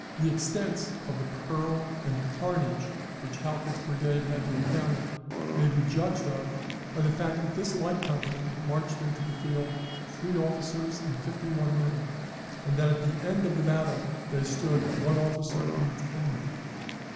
The extent of the peril and the carnage which Halkett's brigade had to encounter, may be judged of by the fact that this light company marched into the field three officers and fifty one men, and that at the end of the battle they stood one officer and ten men.